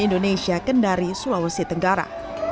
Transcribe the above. indonesia kendari sulawesi tenggara